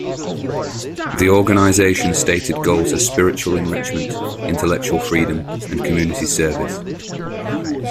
The organization stated goals are spiritual enrichment, intellectual freedom, and community service.